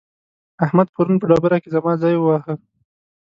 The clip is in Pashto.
احمد پرون په ډبره کې زما ځای وواهه.